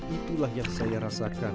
itulah yang saya rasakan